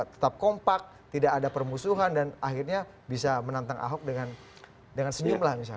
tetap kompak tidak ada permusuhan dan akhirnya bisa menantang ahok dengan senyum lah misalnya